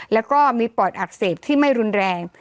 แล้วก็มีปอดอักเสบที่ไม่รุนแรง